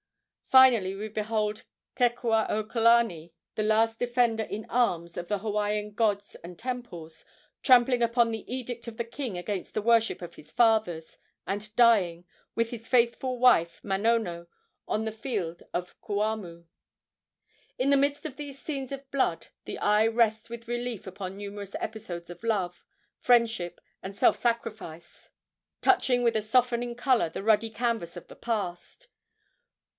Finally we behold Kekuaokalani, the last defender in arms of the Hawaiian gods and temples, trampling upon the edict of the king against the worship of his fathers, and dying, with his faithful wife Manono, on the field of Kuamoo. In the midst of these scenes of blood the eye rests with relief upon numerous episodes of love, friendship and self sacrifice touching with a softening color the ruddy canvas of the past.